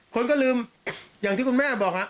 คนก็ลืมอย่างที่คุณแม่บอก